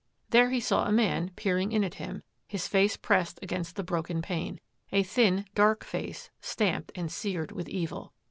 There he saw a man peering in at him, his face pressed against the broken pane — a thin, dark face, stamped and seared with evil.